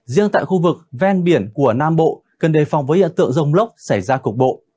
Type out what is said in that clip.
riêng tại khu vực ven biển của nam bộ cần đề phòng với hiện tượng rồng lốc xảy ra cục bộ